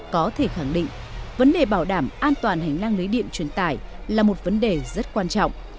có thể khẳng định vấn đề bảo đảm an toàn hành lang lưới điện truyền tải là một vấn đề rất quan trọng